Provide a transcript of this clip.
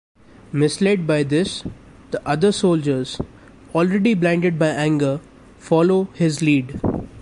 Misled by this, the other soldiers, already blinded by anger, follow his lead.